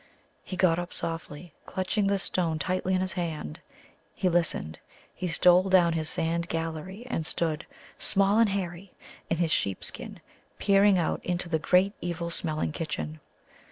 He got up softly, clutching the stone tightly in his hand. He listened. He stole down his sandy gallery, and stood, small and hairy, in his sheep skin, peering out into the great evil smelling kitchen.